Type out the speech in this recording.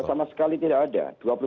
sama sekali tidak ada